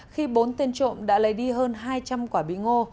khi bốn tên trộm đã lấy đi hơn hai trăm linh quả bí ngô